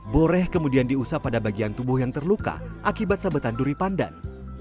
boreh kemudian diusap pada bagian tubuh yang terluka akibat sabetan duri pandan